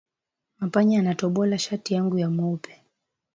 Mpanya anatobola shati yangu ya mweupe